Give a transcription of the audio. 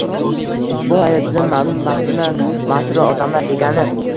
Bu hayotidan mamnun, baxtidan masrur odamlar degani.